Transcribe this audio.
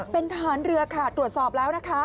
เป็นทหารเรือค่ะตรวจสอบแล้วนะคะ